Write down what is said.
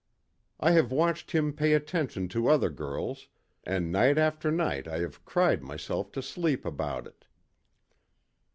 I have watched him pay attention to other girls, and night after night I have cried myself to sleep about it.